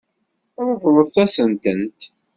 Ṛeḍlent-asen-tent.